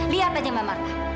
lihat saja mbak marta